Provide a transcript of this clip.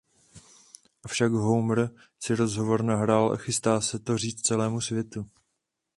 Avšak Homer si rozhovor nahrál a chystá se to říct celému světu.